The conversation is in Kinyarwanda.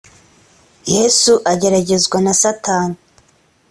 yesu ageragezwa na satani